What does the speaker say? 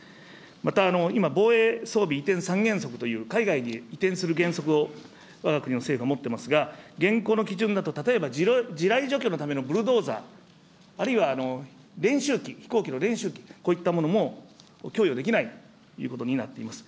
また今、防衛装備移転３原則という海外に移転する原則を、わが国の政府、持っていますが、現行の基準だと例えば地雷除去のためのブルドーザー、あるいは練習機、飛行機の練習機、こういったものも供与できないということになっています。